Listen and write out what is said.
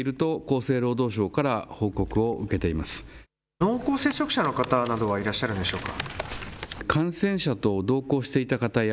濃厚接触者の方などはいらっしゃるんでしょうか。